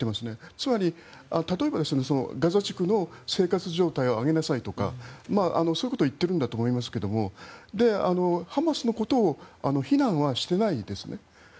つまり、例えば、ガザ地区の生活状態を上げなさいとかそういうことを言っていると思うんですがハマスのことを非難はしてないですね。